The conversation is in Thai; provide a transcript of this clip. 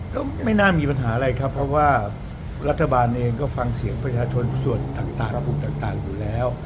ก็ไม่น่ามีปัญหาอะไรครับเพราะว่ารัฐบาลเองก็ฟังเสียงประชาชนส่วนต่างระบบต่างอยู่แล้ว